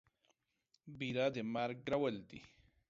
بيره د مرگ کرول دي.